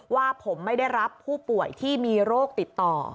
ว่าผมไม่ได้รับผู้ป่วยที่มีโรคติดต่อ